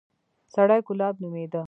سړى ګلاب نومېده.